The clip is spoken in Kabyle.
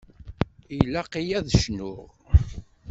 Ilaq-iyi ad cnuɣ?